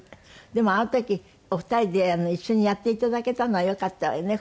でもあの時お二人で一緒にやって頂けたのはよかったわよね